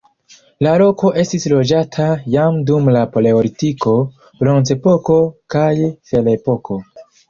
La loko estis loĝata jam dum la paleolitiko, bronzepoko kaj ferepoko.